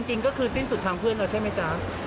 จริงก็คือสิ้นสุดทางเพื่อนเราใช่ไหมจ๊ะ